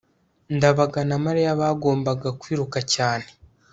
ndabaga na mariya bagombaga kwiruka cyane